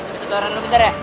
bisa tonton rame rame ntar ya